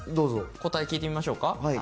答え聞いてみましょうか。